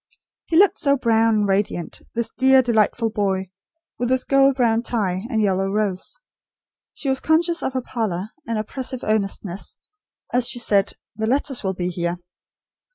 He looked so brown and radiant, this dear delightful boy, with his gold brown tie, and yellow rose. She was conscious of her pallor, and oppressive earnestness, as she said: "The letters will be here."